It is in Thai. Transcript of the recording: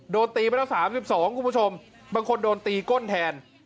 โดนตีไปแล้ว๓๒คุณผู้ชมบางคนโดนตีก้นแทน